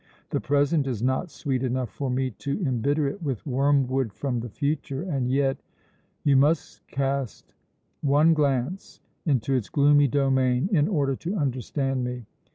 The present is not sweet enough for me to embitter it with wormwood from the future. And yet You must cast one glance into its gloomy domain, in order to understand me.